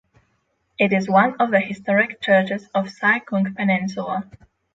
It is one of the historic churches of Sai Kung Peninsula.